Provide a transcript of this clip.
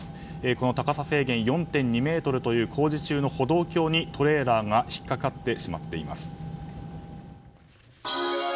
この高さ制限４．２ｍという工事中の歩道橋にトレーラーが引っかかってしまっています。